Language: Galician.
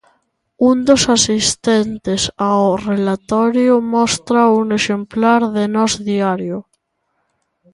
Un dos asistentes ao relatorio mostra un exemplar de 'Nós Diario'.